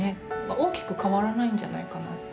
大きく変わらないんじゃないかなって。